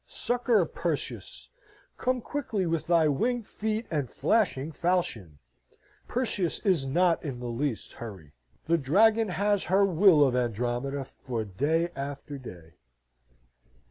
Succour, Perseus! Come quickly with thy winged feet and flashing falchion! Perseus is not in the least hurry. The dragon has her will of Andromeda for day after day.